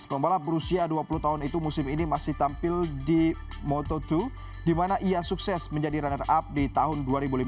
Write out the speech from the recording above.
pembalap berusia dua puluh tahun itu musim ini masih tampil di moto dua di mana ia sukses menjadi runner up di tahun dua ribu lima belas